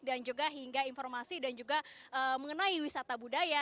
dan juga hingga informasi mengenai wisata budaya